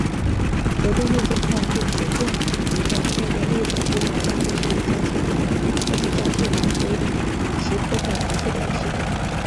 荷电粒子炮是指电离的带电粒子利用加速器将其加速打出以其破坏敌械的武器。